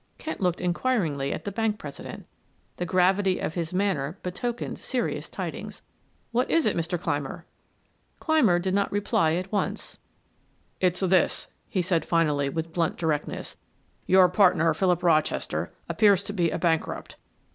Kent looked inquiringly at the bank president, the gravity of his manner betokened serious tidings. "What is it, Mr. Clymer?" Clymer did not reply at once. "It's this," he said finally, with blunt directness. "Your partner, Philip Rochester, appears to be a bankrupt.